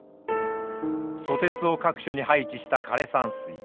蘇鉄を各所に配置した枯れ山水。